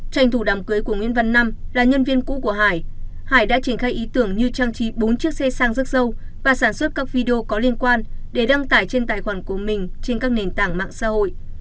tranh thủ đàm cưới của nguyễn văn năm là nhân viên cũ của hải hải đã triển khai ý tưởng như trang trí bốn chiếc xe sang rước dâu và sản xuất các video có liên quan để đăng tải trên tài khoản của mình trên các nền tảng mạng xã hội